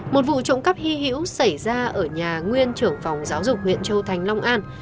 một vụ trộm cắp hy hữu xảy ra ở nhà nguyên trưởng phòng giáo dục huyện châu thành long an